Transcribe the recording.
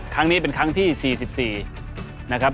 ครั้งนี้เป็นครั้งที่๔๔นะครับ